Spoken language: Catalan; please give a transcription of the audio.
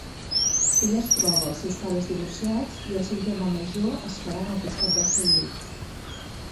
Ella es troba els seus pares divorciats i el seu germà major esperant al costat del seu llit.